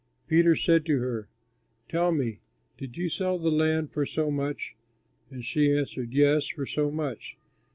Peter said to her, "Tell me, did you sell the land for so much?" And she answered, "Yes, for so much."